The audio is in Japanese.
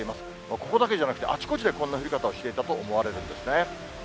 ここだけじゃなくて、あちこちでこんな降り方をしていたと思われるんですね。